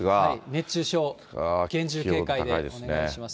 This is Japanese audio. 熱中症、厳重警戒でお願いします。